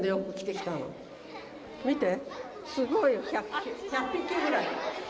見てすごい１００匹ぐらい。